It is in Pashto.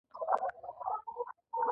لایحه باید د ادارې له اهدافو سره سمه وي.